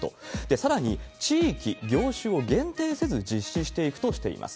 さらに、地域、業種を限定せず実施していくとしています。